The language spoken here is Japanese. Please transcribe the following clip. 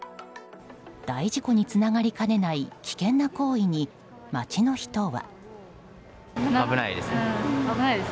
大事故につながりかねない危険な行為に街の人は。